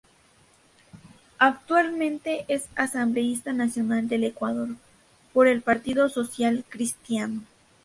Actualmente es asambleísta nacional del Ecuador, por el Partido Social Cristiano.